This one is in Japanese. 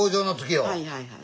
はいはいはい。